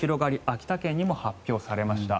秋田県にも発表されました。